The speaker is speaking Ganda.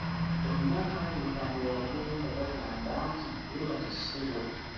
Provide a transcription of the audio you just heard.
Bonna baleekaanira waggulu nga bagamba nti "weebale ssebo"